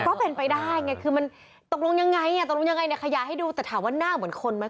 ก็เป็นไปได้ไงคือมันตกลงยังไงอ่ะตกลงยังไงเนี่ยขยายให้ดูแต่ถามว่าหน้าเหมือนคนไหม